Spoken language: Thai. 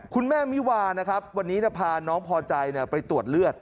คุณแม่มิวานะครับวันนี้พาน้องพอใจไปตรวจเลือด